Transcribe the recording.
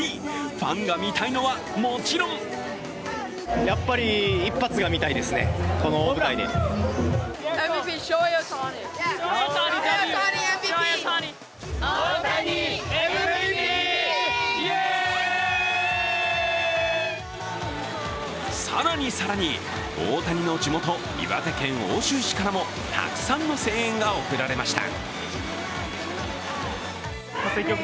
ファンが見たいのは、もちろん更に更に、大谷の地元岩手県奥州市からもたくさんの声援が送られました。